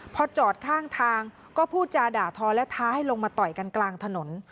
พอจอดข้างทางก็พูดจาด่าทอและท้าให้ลงมาต่อยกันกลางถนน